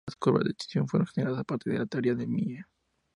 Las curvas de extinción fueron generadas a partir de la teoría de Mie.